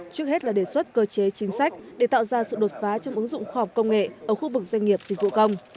trước hết là đề xuất cơ chế chính sách để tạo ra sự đột phá trong ứng dụng khoa học công nghệ ở khu vực doanh nghiệp dịch vụ công